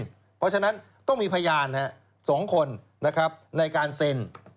เพราะฉะนั้นต้องมีพยาน๒คนนะครับในการเซ็น